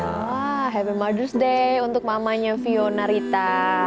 wah happy mother's day untuk mamanya fiona rita